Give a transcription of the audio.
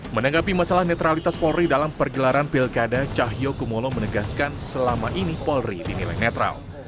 menanggapi masalah netralitas polri dalam pergelaran pilkada cahyo kumolo menegaskan selama ini polri dinilai netral